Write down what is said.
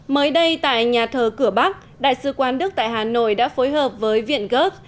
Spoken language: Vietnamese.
mới đây tại nhà thờ cửa bắc đại sứ quán đức tại hà nội đã phối hợp với viện gớt